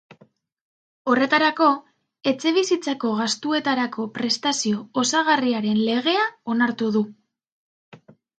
Horretarako, etxebizitzako gastuetarako prestazio osagarriaren legea onartu du.